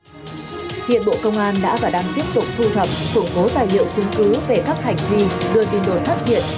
hiện bộ công an đã và đang tiếp tục thu thập củng cố tài liệu chứng cứ về các hành vi đưa tin đồn thất thiệt